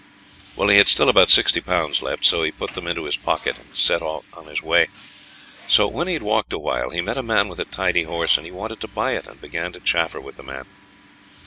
Well, he had still about sixty pounds left, so he put them into his pocket, and set out on his way. So, when he had walked a while, he met a man with a tidy horse, and he wanted to buy it, and began to chaffer with the man.